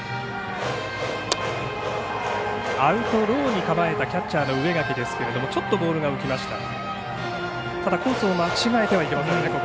アウトローに構えたキャッチャーの植垣ですがちょっとボールが上にいきました。